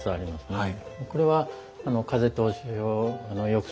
はい。